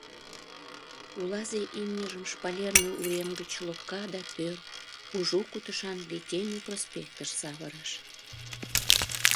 Улазе имньыжым Шпалерный урем гыч лопка да тӧр, кужу кутышан Литейный проспектыш савырыш.